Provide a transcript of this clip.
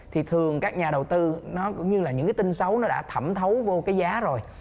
thì thường các nhà đầu tư nó cũng như là những cái tin xấu nó đã thẩm thấu vô cái giá rồi